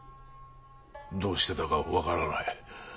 どうしてだか分からない。